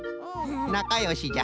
なかよしじゃ。